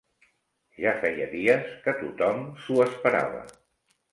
Ja feia dies que tothom s'ho esperava